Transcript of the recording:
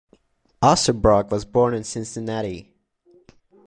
Osterbrock was born in Cincinnati.